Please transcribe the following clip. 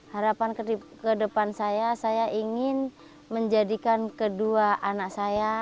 harapan kedepan saya saya ingin menjadikan kedua anak saya